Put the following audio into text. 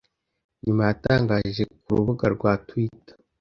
nyuma yatangaje ku rubuga rwa Twitter